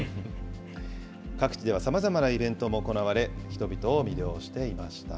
各地ではさまざまなイベントも行われ、人々を魅了していました。